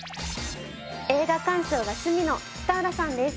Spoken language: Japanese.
映画鑑賞が趣味の北浦さんです。